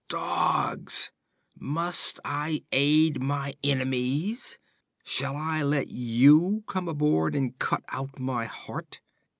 'Dogs! Must I aid my enemies? Shall I let you come aboard and cut out my heart?'